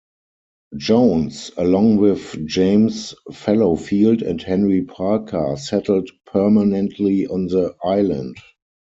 Jones, along with James Fallowfield and Henry Parker, settled permanently on the island.